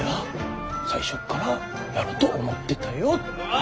あ！